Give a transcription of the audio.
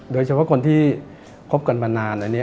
โดยเฉพาะคนที่คบกันมานาน